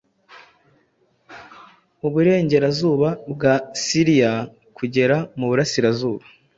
uburengerazuba bwa Syria kugera mu burasirazuba